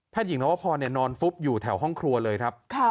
หญิงนวพรนอนฟุบอยู่แถวห้องครัวเลยครับ